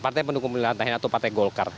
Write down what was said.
partai pendukung pemerintahnya atau partai golkar